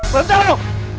belum jalan no